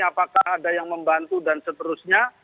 apakah ada yang membantu dan seterusnya